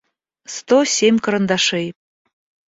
сто семь карандашей